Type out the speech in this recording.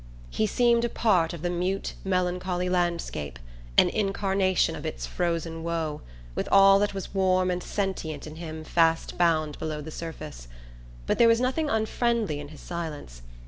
He seemed a part of the mute melancholy landscape, an incarnation of its frozen woe, with all that was warm and sentient in him fast bound below the surface; but there was nothing unfriendly in his silence.